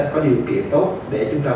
có điều kiện tốt để chúng ta